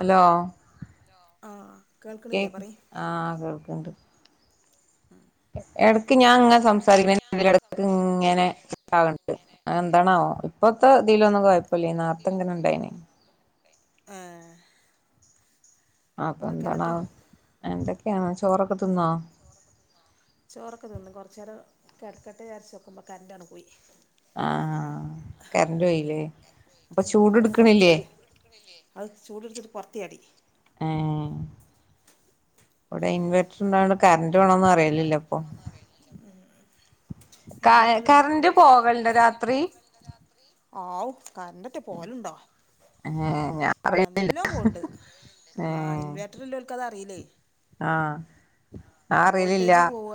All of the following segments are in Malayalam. അലോ ആഹ് കേൾക്കണില്ലേ കേക്ക് പറയ് ആഹ കേൾക്കണ്ട് എടയ്ക്ക് ഞാൻങ്ങെ സംസാരിക്ക [unintelligible] ക്ക് ഇങ്ങനെ ഇണ്ട് അത് എന്താണാവോ [unintelligible] പ്പെല്ലേ നാത്തുൻ എങ്ങനുണ്ടായീന് ആഹ് അപ്പൊ എന്താണാവോ ആ എന്തൊക്കെയാ ക്കെയാണോ ചോറൊക്കെ തിന്നോ ചോറൊക്കെ തിന്ന് കുറച്ച് നേരം കെടക്കട്ടെ വിചാരിച്ചപ്പം കറണ്ടങ്ങ് പോയി ആഹ് കറണ്ട് പോയില്ലേ അപ്പൊ ഉം ചൂട് അയില് പൊറത്ത് എടുക്കണില്ലേ ചാടിയ അത് ചൂടെടുത്തിട്ട് പൊറത്ത് ചാടി ഏ ഇവിടെ ഇൻവേർട്ടർണ്ടാണ് കറന്റ് വേണോന്ന് അറയില്ലല്ലിപ്പൊ ഇൻവേർട്ടർ ഇല്ല നമ്മക്ക് പോകല്ണ്ടോ രാത്രി ഔ കറന്റ്റ് ഒകെ പോലുണ്ടോ ഏഹ് ഞാൻ അറിയ നല്ലോം പോവ്ണ്ട് ആ ഏഹ് ഇൻവേർട്ടറില്ലോല്ക്ക് അതറീലെ ആഹ് ഞാൻ വോൾട്ടേജ് അറിയലില്ല പോവ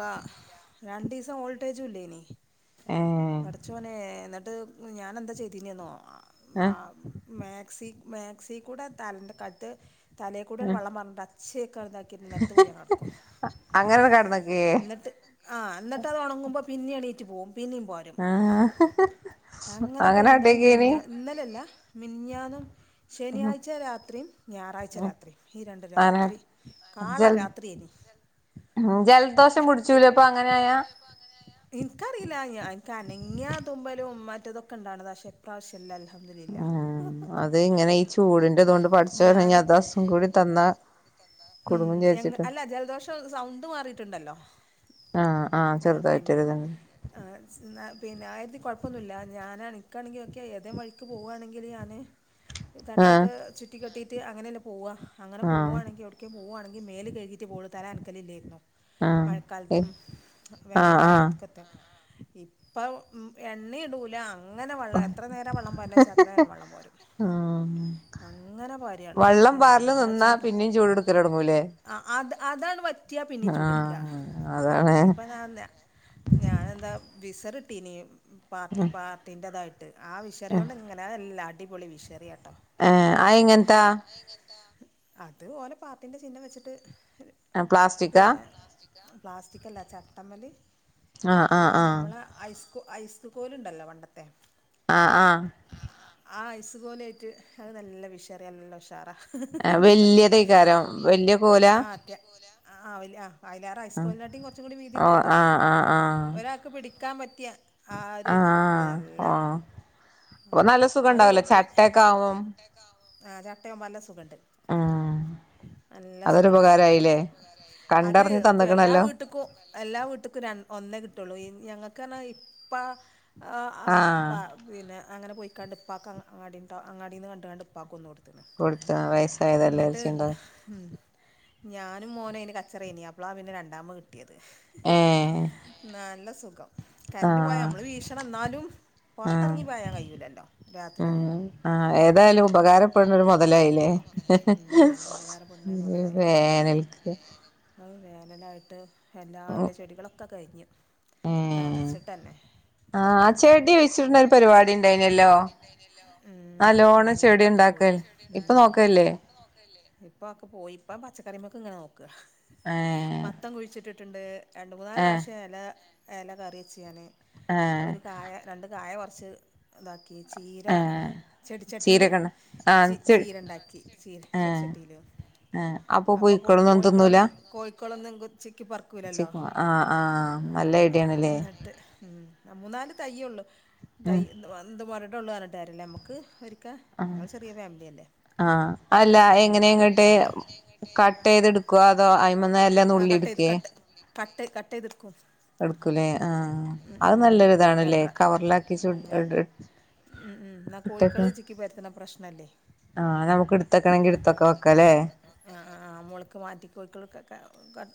രണ്ടീസം ഓൾട്ടേജും ഇല്ലേനി ഏഹ് പഠച്ചോനെ എന്നട്ട് ത് ഞാനന്താ ചെയ്തിനെന്നോ വ ആഹ് മാക്സി മാക്സികൂടെ കരണ്ട് കട്ട് തലേ കൂടെ വെള്ളംപാർന്നിട്ടാ ശ [unintelligible] കറുതാക്കിരുന്നു നലത്ത് പോയാ കടക്കും അങ്ങനെ കെടന്നക്കേ ഇന്നട്ട് ആ ഇന്നട്ട് അത് ഉണങ്ങുമ്പോ പിന്നിണീറ്റ് പോകും പിന്നിം പാരും ആഹ് അങ്ങനെപ്പോ ഇന്നലിം അങ്ങനാട്ടേക്കേനി മിനിഞ്ഞാ ഇന്നലല്ല മിഞ്ഞാന്നും ശനിയാഴ്ച രാത്രി ഞായറാഴ്ച ഉം രാത്രി ഈ രണ്ട് അങ്ങനെ രാത്രി കാള ജൽ രാത്രിയനി ജലദോഷം പിടിച്ചൂലേ അപ്പൊ അങ്ങനായാ ഇനിക്കറീല്ല ആ ഇനിക്ക്‌ അനങ്ങിയാ തുമ്പലും ഉം മറ്റതൊക്കെ ഇണ്ടാണത ക്ഷേ ഇപ്രാവശ്യലല്ലോ അഹ അത് ഇങ്ങനെ ഈ ചൂടിന്റെതുകൊണ്ട് പഠിച്ചോ പറ ഞാന് അദസും കൂടി തന്നാ കുടുങ്ങും ഉം വിചാരിച്ചിട്ട് അല്ല ജലദോഷം സൗണ്ട് മാറിട്ടുണ്ടല്ലോ ആഹ് ആഹ് പിന്നെ ചെറുതായിട്ടൊരു ഇതുണ്ട് എ ന്ന പിന്നെ ആയരത്തി കുഴപ്പമൊന്നുമില്ല ഞാന ഇൻക്കാണെങ്കിൽ ഒക്കെ ഏതേ വഴിക്ക് പോവുകവാണെങ്കിൽ ഞാാന് ആഹ് തട്ടൊക്കെ ചുറ്റിക്കെട്ടി തി അങ്ങനെ തന്നെ പോവാ അങ്ങനെ ആഹ് പോവാണെങ്കിൽ ഔ പോവാണെങ്കിൽ മേല് കഴികിട്ടെ പോവള്ളൂ തലനക്കലില്ലല്ലായിരുന്നു ആഹ് മഴക്കാലത്തും ആഹ് വേനല് ആഹ് ആദ്യത്തക്കത്ത ഇപ്പം എണ്ണി ഇടൂല ഇങ്ങനെ വള്ളേ എത്ര നേരം വെള്ളം പാര്നെ വച്ചൽ എത്ര നേരം വെള്ളം ഉം അങ്ങനെ പാരാണ് വള്ളം പാറല് എന്താ നിന്നാ ചൂട് പിന്നിം ചൂടെടുക്കലൊടങ്ങൂലേ ആ അത് അതാണ് പറ്റിയ പിന്നെയും ചൂട്ട്ട്ട്ക ആഹ് അതാണ് ഇപ്പ ഞ ന ഞാനന്താ വിരി സരട്ടിനി പാർട്ടി പാർട്ടിന്റെറതായി ത് ആ വിഷറിയോണ്ട് ഇങ്ങനെല്ലാ അടിപൊളി വിഷറിയാട്ടോ ഹ ആയ്യ് എങ്ങനെത്തെയാ അത് ഓനെ പാത്തിന്റെ ചിഹ്നം വെച്ചിട്ട് പ്ലാസ്റ്റിക്കാ പിന്നെ പ്ലാസ്റ്റിക്ക് അല്ലാം ചാ അമലി ആ ആ ആ ഐസ് കോലുണ്ടല്ലോ പണ്ടത്തെ ആഹ് ആഹ് ആ ഐസ് കോലാട്ട് അത് നല്ല വിഷറിയാ നല്ല ഉഷാറാ ഹ ഹ ഹ ഹ കരം വല്യ കോല ആ വല്യ ആ വയലാറ് ഹൈസ്കൂളിണ്ടായിട്ടും കുറച്ചും കൂടി വീതി ഓ ഉണ്ടായിട്ട് ആഹ് ഒരാൾക്ക് പിടിക്കും ഇക്കാംപറ്റിയെ ആ ആ ഓ അപ്പൊ നല്ല സുഖം ഉണ്ടാവലോ ചട്ടയൊക്കെ ആകുംബോ ആഹ് ചട്ടയും പല സുഖമുണ്ട് ആ നല്ല സുഖണ്ട് അത് കണ്ടറിഞ്ഞ് എല്ലാ തന്ന്ക്കണല്ലോ വീട്ടേക്കും എല്ലാ വീട്ടക്കും ഒന്നേ കിട്ടുള്ളൂ ഞങ്ങക്ക് കരണ ഇപ്പ ആ ആ ആഹ് പിന്നെ അങ്ങനെ പോയി കണ്ടിപ്പാക്ക അങ്ങാടി അങ്ങടിന്ന് കണ്ട് കണ്ട്പ്പാക്ക ഒന്ന് കൊടുത് അപ്പ കൊടുത്ത വയസ്സായതല്ലേ എന്നിട്ട് വിചാരിച്ചിണ്ടാവും ഉം ഞാനും മോന്‌ അയിന് കച്ചറയിന അപ്പളാ അവെ രണ്ടാമ കിട്ടിയത് ഏഹ് നല്ല സുഖം കറന്റ് പോയാ ആഹ് നമ്മള് വീക്ഷണം എന്നാലും ആഹ് പുറത്തിറങ്ങി പോയാൻ കഴൂലല്ലോ രാത്രി ഒന്നും ഉം ആഹ് ഏതായാലും ഉപകാരപ്പെട്ണൊരു മൊതലായില്ലേ ഊം വേനൽക്ക് അത് വേനലായിട്ട് എല്ലാ എന്റെ ചെടികളൊക്കെ കരിഞ്ഞു ഇ ഏഹ് നനച്ചിട്ടന്നെ ഒക്ക ആഹ് കരിഞ്ഞു ചെടി പോയി വെച്ചിട്ട്ണ്ടൊരു ചെടി പരിപാടി വെച്ചിട് ഇണ്ടായിനല്ലോ ഒരുപരുപാടി ഉണ്ടാരുന്നലോ അതൊക്കെ നല്ലോണം ഇണ്ടായിനൊക്കെ ചെടി പറ്റിപ്പോയി ഇണ്ടാക്കൽ ഇപ്പൊ നോക്കലില്ലേ ഇപ്പൾക്ക് പോയി പ്പം പച്ചക്കറിമൊക്കെ ഇങ്ങനെ നോക്കും ഏഹ് മത്തൻ കുഴിച്ചിട്ടിട് ട്ടുണ്ട് രണ്ട മൂന്നാല് ഏഹ് പ്രാവിശ്യം എല കറിവെച്ച് ഞാന് ഏഹ് ഒരു കായ രണ്ട് കായ വറു ച്ച് ഇതാക്കി ചീര ഏഹ് ചെടിച്ചട്ടില് ചീരകണ് ആഹ് ചീര ഉണ്ടാക്കി ചീര ചെടിച്ചട്ടി അഹ് അപ്പൊ പോയിക്കോളും ഇത് ഒന്നും തിന്നൂല [unintelligible] കൊച്ചി ചേക്കുവ ആഹ് ആഹ് നല്ല ഐഡിയണല്ലേ എന്നിട്ട് ഉം മൂന്നാല് തൈയുള്ളു തൈ [unintelligible] [unintelligible] നമുക്ക് ആഹ് ഞങ്ങൾ ചെറിയ ഫാമിലിയല്ലേ ആഹ് അല്ല അപ്പം എ അങ്ങനെ എങ്ങനെ കറി ഇങ്ങോട്ട് വെക്കാന് കട്ട്ചെയ്ത എടുക്കുവ അതോ അയ്മിന്ന ഇല ആ നുള്ളി കട്ട് ചെയ്ത് എടുക്കേ കട്ട് കട്ട് കട്ട് ചെയ്എടുക്കും എടുക്കൂലേ ആഹ് അത് ഉം നല്ലൊരു ഇതാണല്ലേ രണ്ട് പ്രാ കവറിലാക്കിച്ചു ഉം രണ്ട് ഉം ഉം എന്നാ കോഴിക്കള് ചിക്കി പരത്തണ പ്രശ്നല്ലേ ആ നമുക്ക് എടുത്തക്കണെങ്കി എട് പുസ്ത്തക്കവൊക്കലെ ആഹ് മുളക്ക് മാറ്റി കോഴിക്കൾ ഒക്കെ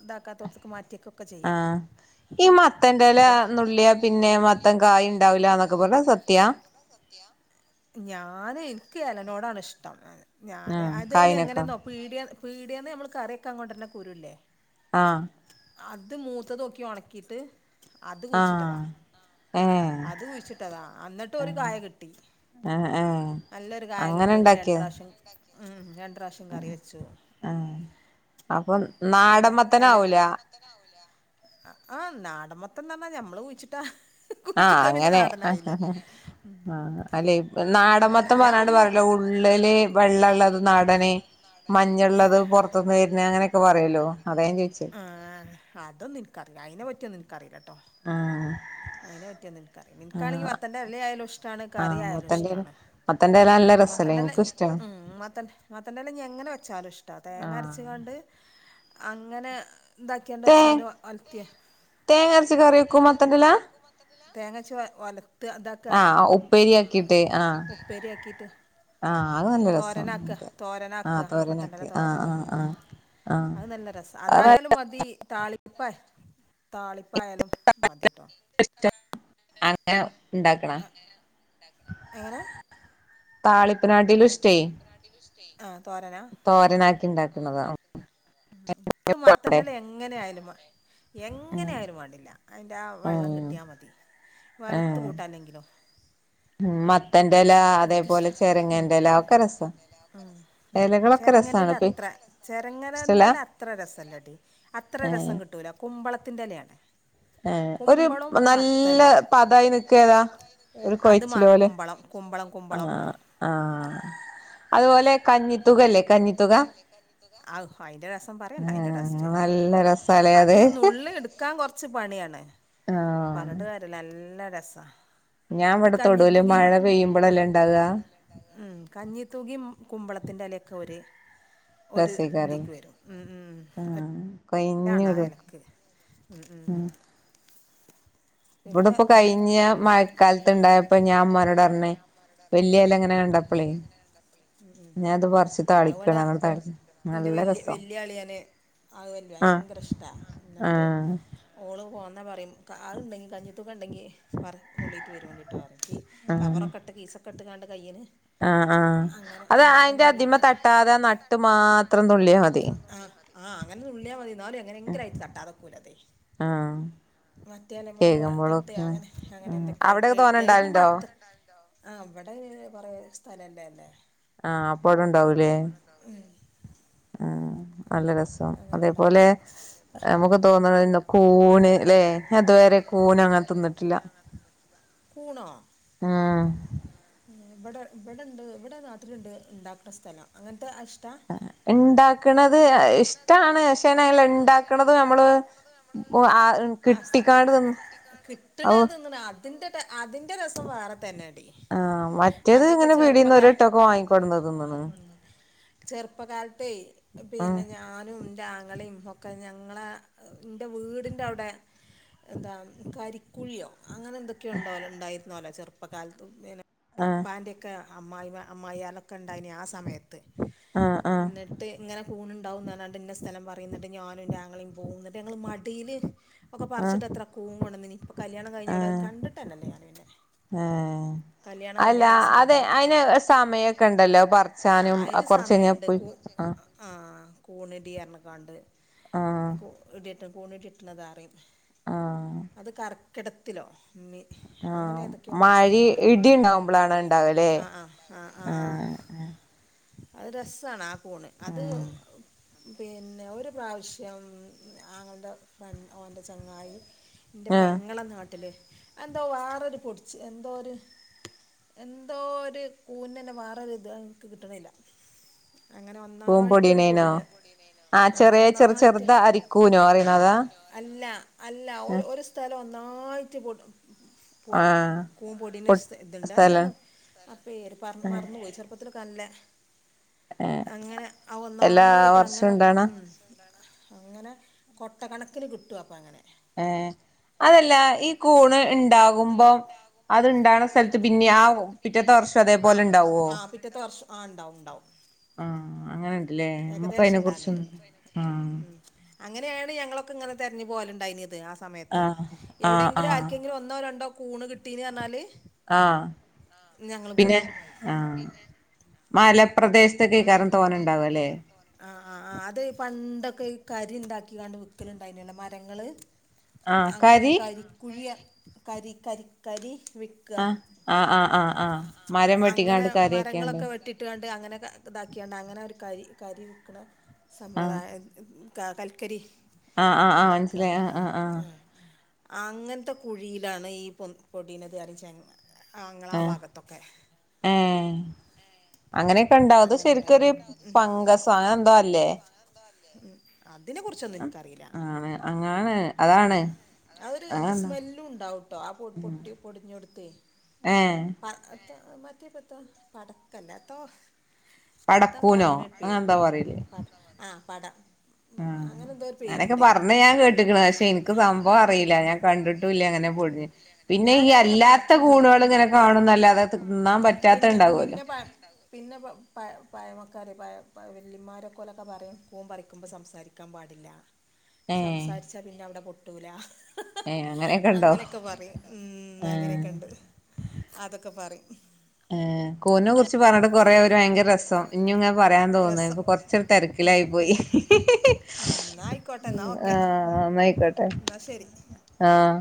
ഇതാക്കാത്തോടത്തക്ക് മാറ്റിയൊക്കെ ആഹ് ഈ മത്തന്റെ ഇല ഞാൻ നുള്ളിയാ പിന്നെ മത്തൻ കായ ഉണ്ടാവൂല എന്നൊക്കെ പറഞ്ഞ സത്യാ ഞ ആഹ് അതിന് കായിനൊക്കെ എങ്ങനെന്നോ പീടിക പീ [unintelligible] നമ്മൾ കറിയക്കാ അങ്ങോണ്ടരുന്ന കുരുവില്ലേ ആഹ് അത് മൂത്തത് നോക്കി ഉണക്കിയിട്ട് അത് കുഴിച്ചിട്ടതാ ആഹ് ഏഹ് അത് കുഴിച്ചിട്ടതാ എന്നിട്ട് ഒരു കായകിട്ടി ഏഹ് ഏഹ് നല്ലൊരു അങ്ങനെ കായകിട്ടി ഞങ്ങൾ ഉണ്ടാക്കിയ രണ്ട് പ്രാവശ്യം മ് ര പ്രാവശ്യം കറിവെച്ചു ആഹ് അപ്പം എല നാടൻ എല മത്തനാവൂല ആഹ് നാടൻ മത്തൻ എന്ന് പറഞ്ഞതി ഞമ്മള് കുഴിച്ചിട്ടതാ ആഹ് അങ്ങനെ ആഹ് ഉം ആഹ് അല്ലെ അങ്ങനെ നാടമത്തൻ ഞാൻ പറയാണ്ട് ഒന്നും പറലോ ഉള്ളില് വെള്ളള്ളത് നടനെ മഞ്ഞുള്ളത് ആഹ് പുറത്തുന്ന് വരണ അങ്ങനെയൊക്കെ പറയല്ലോ അത ഞാൻ ചോദിച്ചേ കറി കേട്ടോ ആഹ് അതിനെ പറ്റിയൊന്നുംനിൻക്കറിയൂല നിക്കാണെങ്കി ആഹ് മത്തൻന്റെ ഇല ആയാലും ഇഷ്ടമാണ് കറി ആഹ് ആയാലും മത്തന്റെല ഇഷ്ടമാണ് മത്തന്റെല നല്ല രസല്ലേ മത്തൻന്റെല്ല എനിക്കും ഇഷ്ടാണ് ഉ മത്തൻ മത്തൻന്റെല്ല എങ്ങനെ വെച്ചാലും ഇഷ്ട തേങ്ങ ആഹ് അരച്ചുകണ്ട് അങ്ങനെ തേ ഒലത്തിയ തേങ്ങ അരച്ച് കറി വക്കും മത്തൻറ്റില തേങ്ങഅരച്ച് ഒലത്ത് അതാക്കാ ആഹ് ഉപ്പേരിയാക്കിട്ട് ആഹ് ഉപ്പേരിയാക്കിട്ട് ആഹ് അത് നല്ല തോരനാക്ക രസാണ് ആഹ് തോരനാക്കുക മത്തന്റില തോരനാക്കി ആഹ് തോരൻ ആഹ് ഉം ആഹ് ആഹ് അത് നല്ല രസം അത് അതായാലും മതി താളിപ്പ താളിപ്പ ഇപ്പായാലും മതിട്ടോ [unintelligible] ഉണ്ടാക്കണ എങ്ങനെ താളിപ്പനാട്ടീലും ഇഷ്ട ആ തോരന തോരനാക്കി ഉണ്ടാക്കണതാ തോരക്കുന്നതാ എനിക്ക് അവിടെ മത്തൻറല എങ്ങനെ ആയാലും ഉം എങ്ങനെയ ആയാലും വേണ്ടില്ല അതിൻ്റെ ആ വെള്ളം ആഹ് കിട്ടിയാൽ മതി വറത്ത്‌ കൂട്ടല്ലെങ്കിലോ ഉം മത്തന്റെല അതേപോലെ ചെരങ്ങന്റെല ഒക്കെ രസാ എലകളൊക്കെ ചെരങ്ങന്റെല രസാണ് പി അത്ര ഇഷ്ടല്ല ചെരങ്ങന്റെല അത്ര രസല്ലാട്ടീ അത്ര രസം കിട്ടൂല കുമ്പള ത്തിന്റെലാണ് ഹേ ഒരു നല്ല പതായി നിക്ക ഏതാ ഒരു അത് മാ കൊയിച്ചില പോലെ കുമ്പളം കുമ്പളം അ കുമ്പളം ആ ആ അതുപോലെ കഞ്ഞിത്തുകല്ലേ കഞ്ഞിത്തുക ആ അയിന്റെ രസം പറയണ്ട അയിന്റെ ആഹ് ടസ്റ്റ് നല്ല രസാലേ അത് നുള്ള് എടുക്കാൻ കൊറ കുറച്ച് പണിയാണ് പറഞ്ഞിട്ടുകാര്യമില്ല എല്ലാ രസ ഞാ ഇവിടെ തൊടുവല് മഴ പെയ്യുമ്പോളല്ലാം ഇണ്ടാകുക ഉം കഞ്ഞിത്തൂകി കുമ്പളത്തിന്റെ എലൊക്കെ ഒരു ഒരു രസേക്കാരം ഇതിക്ക് വരും ഉം ഉം അണാ കൊഴിഞ്ഞിടും എലക്ക് ഉം ഉം പിന്നെ ഇവിടെപ്പോ കഴിഞ്ഞ മഴക്കാലത്ത്ണ്ടായപ്പോ ഞാൻ ഉമ്മാനോട് പറഞ്ഞ് വല്യ എല ഇങ്ങനെ കണ്ടപ്പളേ ഞാൻ അത് പറിച്ച് അവിടെ താളിക്കാണ് അങ്ങനെ താളിച്ച് എന്റെ നല്ല രസാ വല്യ അളിയാന് അല്ല ആഹ് ഭയങ്കര ഇഷ്ടാ എന്നിട്ട് ആഹ് ഓള് പോ എന്നാ പറയും കാ അണ്ടെങ്കിൽ കഞ്ഞിത്തൂക ണ്ടെങ്കി [unintelligible] ആഹ് കാവറൊക്കെയിട്ട് കീസ കെട്ടുകാണ്ട കയ്യിന് ആഹ് ആഹ് അങ്ങനെ അത് അങ്ങനെ അയിന്റെ അതിമെ നുള്ളെയെടുത്തു അതിന്റെ തട്ടാതെ ആ അതിമ്മേ നട്ട് തട്ടാതെ മാത്രം നട്ട് തുള്ളിയാ മതി മാത്രം ആ അങ്ങനെ നുള്ളിയാ മതി എന്നാലും എങ്ങനെ എങ്കിലും തട്ടാതെക്കലതെ ആഹ് മറ്റേ ഒന്ന് തട്ടിയ കേക്കുമ്പോളൊക്കെ അങ്ങനെ അങ്ങനെ ഉം എന്തൊ അവിടെക്കെ തോനെ കേക്കുമ്പോ ഇണ്ടാവലുണ്ടോ അത്ര ആ അവിടെ പറ സ്ഥലല്ലേ അല്ലേ ആ അപ്പ ടൗലെ ആ നല്ല രസം അങ്ങനെ അതേപോലെ ഉണ്ടാവലുണ്ട് നമുക്ക് തോന്നണ കൂണ് അല്ലെ അതുവരെ കൂണ് അങ്ങനെ തിന്നിട്ടില്ല കൂണോ ഉം ആ ഇവിടെ ഇവിടെണ്ട് ഇവിടെ രാത്രി ഇണ്ട് ഇണ്ടാക്കുന്ന സ്ഥലം അങ്ങനത്തെ ഇഷ്ടാ ഇണ്ടാക്കണത് ഇഷ്ടാണ് പക്ഷേന അല്ല ഇണ്ടാക്കണത് നമ്മള് ആ സ കിട്ടിക്കാണ്ട് ന്ന് കിട്ടണ ഒ ഇപ്പം വേറെ തന്നെയാണ് ആ മറ്റേത് ഇങ്ങനെ പീടീന്ന് ഒരുട്ടൊക്കെ വാങ്ങിക്കൊടന്നതിന്നണ് ഉം [unintelligible] പിന്നെ ഞാനും ഞങ്ങളെയും ഓക്കെ ഞങ്ങളെ ൻ്റെ വീടിൻ്റെ അവിടെ എന്താ കരിക്കുഴിയോ അങ്ങനെ എന്തൊക്കെയോ ഉണ്ടല ഉണ്ടായിരുന്നല്ലേ ചെറപ്പം അപ്പം കാലത്ത് പിന്നെ ആ പാൻറ് എക്ക് അമ്മായിമ്മ അമ്മായിയാലൊക്കെ ഉണ്ടായിന് ആ സമയത്ത് ആ ആ എന്നിട്ട് ഇങ്ങനെ കൂണ് ഉണ്ടാവുന്നാന്റെ സ്ഥലം പറയുന്നിട്ട് ഞാനും ൻ്റെ ആങ്ങളെയും പോകുന്നുട്ട് ഞങ്ങള് മടിയില് ഒക്കെ ആ പറിച്ചിട്ട്ത്ര കൂണ്കൊണ്ടുന്നീനി അപ്പൊ കല്യാണം ആ കഴിഞ്ഞോടത് കണ്ടിട്ടല്ലല്ലോ ഞാൻ പിന്നെ ഏ കല്യാണം അല്ല കഴിഞ്ഞേരം ആ അതെ സാധനം അയിന് സമയം ഒക്കെ ഉണ്ടല്ലോ ആ പറച്ചാനും അതിന് കൊറച്ച് കഴിഞ്ഞ സമയമുണ്ട് പോയി കൂ ആ ആ കൂണ് ഇടി ആറിണക്കാണ്ട് ആ കൂണ് കിട്ടുന്നത് അറിയും ആഹ് അത് ക കിടത്തിലോ [unintelligible] അങ്ങനെ ഏതൊക്കെയോ മാസത്തിലാ ഇടിണ്ടാവുമ്പോളണ ഉണ്ടാവല്ലേ ആ ആ അത് രസാണ് പോണ് അത് ആഹ് പിന്നെ ഒരു പ്രാവശ്യം ആങ്ങളെൻ്റ ഫ്രണ്ട് ഓന്റെ ചങ്ങായി ന്റെ ആഹ് പെങ്ങളെ നാട്ടില് എന്തോ വേറൊരു പൊടിച്ച് എന്തോ ഒരു എന്തോ ഒരു കൂഞ്ഞനെ വേറോരു ഇതക്ക് കി കിടുന്നില്ല അങ്ങനെ ഒന്നായിട്ടൊരു പൂമ്പൊടിയണേനോ പൊടിനെ ആഹ് ആ ചെറിയ ചെറു ഒന്നായിട്ട് ചെറുത അരിക്കൂനോ അറിയണതാ അല്ല അല്ല സ്ഥലം നായിട്ട് പോട്ടും ആഹ് കൂമ്പൊടന് പൊട്ട് ഇതുണ്ട് എന്താണ് സ്ഥലം അപ്പേര് പറ മറന്നുപോയി ചെറു പ്പത്തി തല്ലേ അങ്ങനെ എല്ലാ ഒന്നായിട്ട് അങ്ങനെ വർഷവും ഇണ്ടാണ ഉ അങ്ങനെ കൊട്ട കണക്ക അക്കന് കിടും അപ്പോ അങ്ങനെ ഏ അതല്ല ഈ കൂണ് ഉണ്ടാകുമ്പോം അത്ണ്ടുന്ന സ്ഥലത്ത് പിന്നെ ആ മുറ്റത്തെ വർഷം അതേപോലെ ഉണ്ടാവുവോ ആ ഉണ്ടാവണ്ടാവും ആ അങ്ങനെ ഏകദേശം ഉണ്ടാനുണ്ട് ആഹ് ഉ അങ്ങനെയാണ് ഞങ്ങളൊക്കെ ഇങ്ങനെ തെര ഞ്ഞ് പോക ലുണ്ടായിന് ആ സമയത്ത് ആഹ് ആഹ് എവിടെങ്കിലും ആഹ് ആരിക്കെങ്കിലും ഒന്നോ രണ്ടോ കൂണ് കിട്ടി നി എന്നാ ല് ആ പിന്നെ ആ മല ആ അത് പണ്ടൊക്കെ രി ഉണ്ടാക്കികാ ണ്ട് വിക്കലുണ്ടായിനല്ല മരങ്ങള് ആഹ് അങ്ങനെ കരി കരിക്കുഴിയ കരി കരി കരി ആ ആ മരം അങ്ങനെ വെട്ടിക്കാണ്ട് കാര്യൊക്കെ ഉണ്ടോ ഇതാക്കിയണ്ട് അങ്ങനെ ഒരു കരി കരി വൽക്കണ സമ്പ്രദായ ക കൽക്കരി ആആആ ഉണ്ടാക്കുക മനസ്സിലായി ആ ആഹ് അങ്ങനത്തെ കുഴിയിലാണ് ഈ പൊ പൊടീനത് അരി ചേങ്ങ ആ ആ അങ്ങനെയൊക്കെണ്ട് ത് അങ്ങനെ ശെരിക്കൊരു ഉണ്ടായിന് പങ്കസം അങ്ങനെ എന്തോ അല്ലേ അതിനെ കുറിച്ചൊന്നും എനിക്കറിയില്ല ആണ് അങ്ങാണ് അതാണ് അതൊരു അങ്ങനെന്തോ സ്മെല്ലുംണ്ടാവട്ടോ ആ പൊ പൊട്ടി പൊടിഞ്ഞൊടുത്ത് ഏഹ് മറ്റേപ്പത്ത പടക്കല്ലേത്തോ എത്താ പോ പടക്കൂനോ അതിനെട്ടേ അങ്ങനെന്തോ ആ പട മ് അങ്ങനെ എന്തോ ഒരു അങ്ങനൊക്കെ പേരുണ്ടതിന് പറഞ്ഞു ഞാൻ കേട്ടിക്കണ് പക്ഷെ എനിക്ക് സംഭവം അറിയില്ല ഞാൻ കണ്ടിട്ടുല്ല അങ്ങനെ പൊഴിഞ്ഞ് പിന്നെ ഞാൻ ഈ അങ്ങനെ അല്ലാത്ത പറിച്ചും ചെയ്യും കൂണുകൾ ഇങ്ങനെ കാണുന്നല്ലാതെ തി തിന്നാൻ പറ്റാത്ത പിന്നെ ഇണ്ടാവുല്ലോ പയമക്കാര് പയ പ വല്യമാരെക്കൊലക്കെ പറയും കൂൺ പറിക്കുമ്പോൾ സംസാരിക്കാൻ പാടില്ല ഏഹ് സംസാരിച്ചാ പിന്നവിട പൊ കിട്ടൂല ഏഹ് ഇണ്ടോ അങ്ങനെയൊക്കെ പറയും മ് ആഹ് അങ്ങനെയൊക്കെ ഉണ്ട് അതൊക്കെ പറയും ഏഹ് കൂണിനെ കുറിച്ച് പറഞ്ഞിട്ട് കൊറേ ഭയങ്കര രസം ഇനി ഇങ്ങന പറയാൻ തോന്നുന്നേ രസം ഇപ്പൊ കൊറച്ചൊരു തിരക്കിലായി പോയി ഉം ന്നാ ആയിക്കോട്ടെ മു എന്നാ ഓക്കെ ആഹ് എന്നായിക്കോട്ടെ എന്നാ ശരി ആഹ്